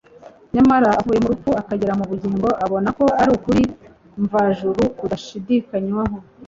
nyamara uvuye mu rupfu akagera mu bugingo abona ko ari ukuri mvajuru kudashidikanywaho